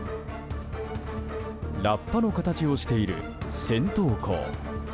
ラッパの形をしている銭塘江。